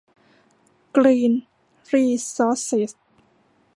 กรีน รีซอร์สเซส